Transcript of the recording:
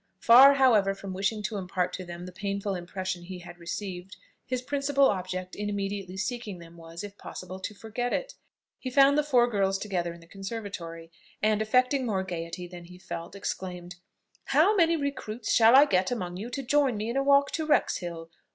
Far, however, from wishing to impart to them the painful impression he had received, his principal object in immediately seeking them was, if possible, to forget it. He found the four girls together in the conservatory, and, affecting more gaiety than he felt, exclaimed, "How many recruits shall I get among you to join me in a walk to Wrexhill?